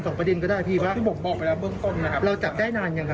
ไม่ครับก็คือเดี๋ยว